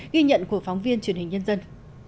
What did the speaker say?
ghi nhận của phóng viên truyền hình nhân dân